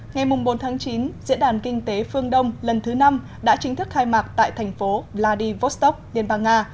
ngày bốn chín diễn đàn kinh tế phương đông lần thứ năm đã chính thức khai mạc tại thành phố vladivostok liên bang nga